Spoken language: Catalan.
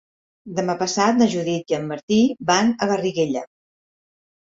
Demà passat na Judit i en Martí van a Garriguella.